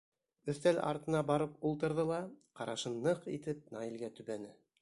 Өҫтәл артына барып ултырҙы ла ҡарашын ныҡ итеп Наилгә төбәне.